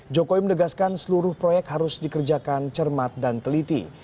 jokowi menegaskan seluruh proyek harus dikerjakan cermat dan teliti